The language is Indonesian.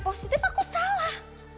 positif aku salah